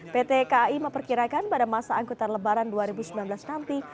pt kai memperkirakan pada masa angkutan lebaran dua ribu sembilan belas nanti